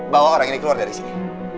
bawa orang ini keluar dari sini